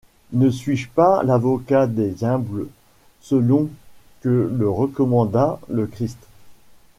Ne suis-je pas l'avocat des humbles selon que le recommanda le Christ ?